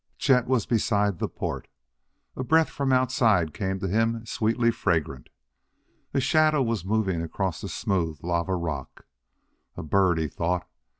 Chet was beside the port; a breath from outside came to him sweetly fragrant. A shadow was moving across the smooth lava rock. "A bird!" he thought.